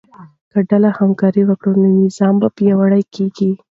که ډلې همکاري وکړي نو نظام پیاوړی کیږي.